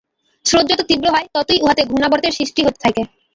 স্রোত যত তীব্র হয়, ততই উহাতে ঘূর্ণাবর্তের সৃষ্টি হইতে থাকে।